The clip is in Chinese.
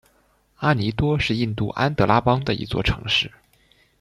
阿多尼是印度安得拉邦的一座城市。